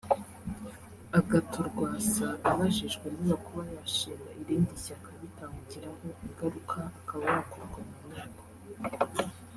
Agathon Rwasa abajijwe niba kuba yashinga irindi shyaka bitamugiraho ingaruka akaba yakurwa mu nteko